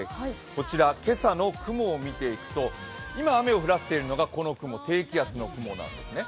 こちら今朝の雲を見ていくと今、雨を降らせているのがこの雲、低気圧の雲なんですね。